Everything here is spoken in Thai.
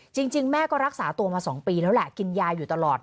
จริงแม่ก็รักษาตัวมา๒ปีแล้วแหละกินยาอยู่ตลอด